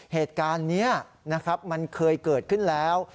เหตุการณ์นี้นะครับมันเคยเกิดขึ้นแล้ว